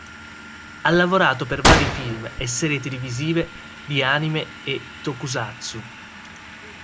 Ha lavorato per vari film e serie televisive di anime e tokusatsu.